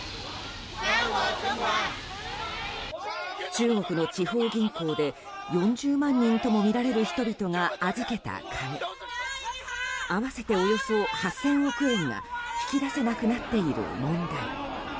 中国の地方銀行で４０万人ともみられる人々が預けた金合わせておよそ８０００億円が引き出せなくなっている問題。